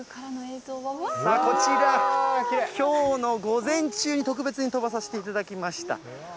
こちら、きょうの午前中に特別に飛ばさせていただきました。